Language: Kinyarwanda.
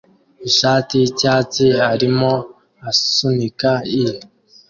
ishati yicyatsi arimo asunika i